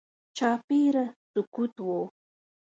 چاپېره سکوت و.